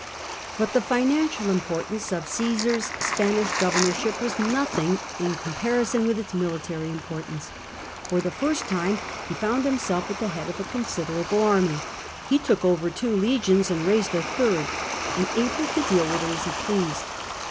But the financial importance of Caesar's Spanish gover norship was nothing in comparison with its military import ance. For the first time he found himself at the head of a considerable army — he took over two legions and raised a third — and able to deal with it as he pleased.